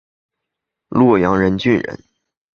略阳郡人。